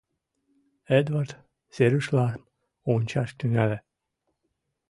Эдвард серышлам ончаш тӱҥале.